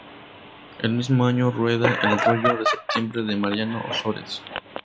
Ese mismo año rueda "El rollo de septiembre", de Mariano Ozores.